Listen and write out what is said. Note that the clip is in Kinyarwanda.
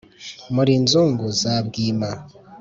muri inzungu za bwima